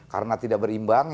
karena tidak berimbang